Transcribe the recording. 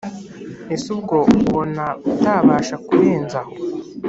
ese ubwo ubona utabasha kurenza aho